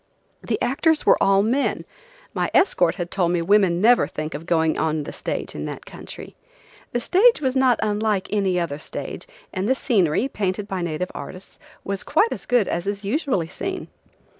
The actors were all men; my escort had told me women never think of going on the stage in that country. The stage was not unlike any other stage, and the scenery, painted by native artists, was quite as good as is usually seen.